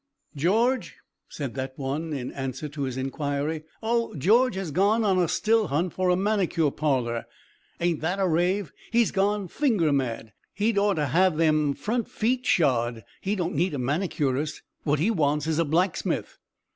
"George?" said that one, in answer to his inquiry. "Oh, George has gone on a still hunt for a manicure parlor. Ain't that a rave? He's gone finger mad. He'd ought to have them front feet shod. He don't need a manicurist; what he wants is a blacksmith."